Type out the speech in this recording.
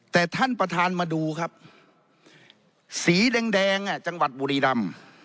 แต่ท่านประธานมาดูครับสีแดงจังหวัดบุรีรำ